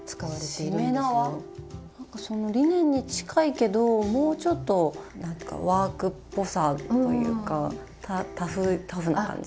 なんかそのリネンに近いけどもうちょっとなんかワークっぽさというかタフな感じ。